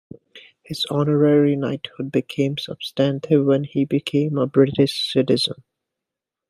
His honorary knighthood became substantive when he became a British citizen.